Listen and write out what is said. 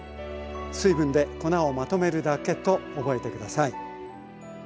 水分で粉をまとめるだけと覚えて下さい。